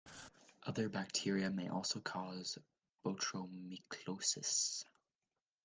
Other bacteria may also cause botryomycosis.